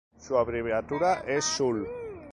Su abreviatura es Sul.